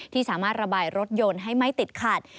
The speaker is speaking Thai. ที่สามารถระบายรถยนต์ให้ไม่ติดขัด